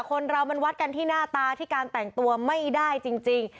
คนเรามันวัดกันที่หน้าตาที่การแต่งตัวไม่ได้จริง